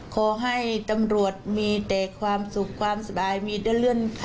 ขอให้ตำรวจมีแต่ความสุขความสบายมีได้เลื่อนขั้นเร็วนะคะ